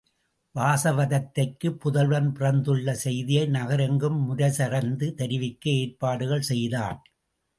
வாசவதத்தைக்குப் புதல்வன் பிறந்துள்ள செய்தியை நகரெங்கும் முரசறைந்து தெரிவிக்க ஏற்பாடுகள் செய்தான்.